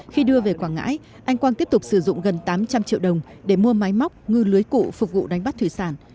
khi đưa về quảng ngãi anh quang tiếp tục sử dụng gần tám trăm linh triệu đồng để mua máy móc ngư lưới cụ phục vụ đánh bắt thủy sản